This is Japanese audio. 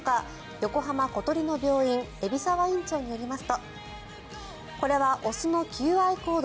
横浜小鳥の病院海老沢院長によりますとこれは雄の求愛行動。